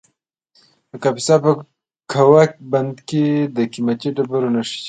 د کاپیسا په کوه بند کې د قیمتي ډبرو نښې دي.